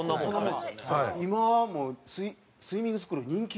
今もスイミングスクール人気？